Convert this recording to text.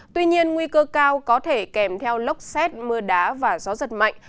tuy nhiên nguy cơ cao có thể kèm theo lốc xét mưa đá và gió giật mạnh